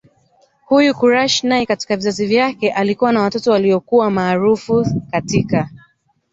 Huyu Quraysh naye katika vizazi vyake alikuwa na watoto waliyokuwa maaraufu katika